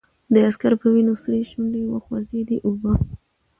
د عسکر په وينو سرې شونډې وخوځېدې: اوبه!